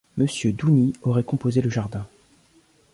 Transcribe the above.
Monsieur Dougny aurait composé le jardin.